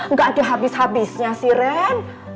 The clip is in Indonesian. nggak ada habis habisnya si ren